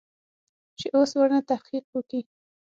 چې اوس ورنه تحقيق وکې.